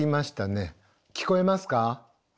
聞こえますか？